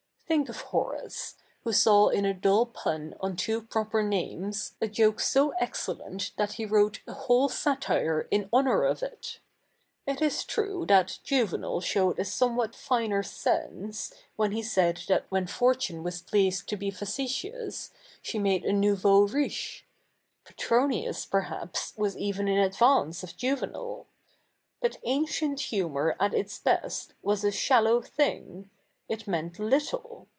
Think of IIo7'ace, who saw in a dull pu7i on two proper 7ia7nes, a joke so excelle7tt that he wrote a whole satire in hojiour of it. It is t7'ue that Juvenal showed a soi7iewhat fi7ier sense, whe7i he said that ivhen Fortune was pleased to be facetious, she 77iade a nouveau riche ; Petro/iius, perhaps, was even i7t advance of Juvenal. But ancient hu7)iour at its best was a shallow thing. It meant little.